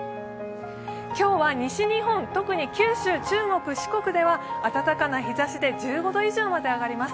今日は西日本、特に九州、中国、四国では暖かな日ざしで１５度まで上がります。